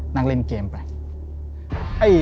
นั่งเล่นเกมไป